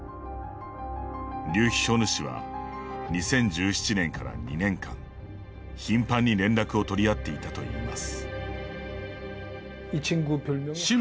リュ・ヒョヌ氏は２０１７年から２年間頻繁に連絡を取り合っていたといいます。